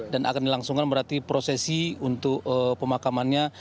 dan akan dilangsungkan berarti prosesi untuk pemakamannya